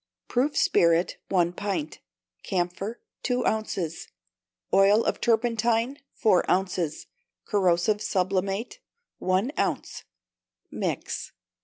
Proof spirit, one pint; camphor, two ounces; oil of turpentine, four ounces: corrosive sublimate, one ounce, mix.